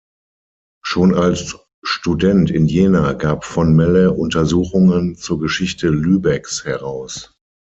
Schon als Student in Jena gab von Melle Untersuchungen zur Geschichte Lübecks heraus.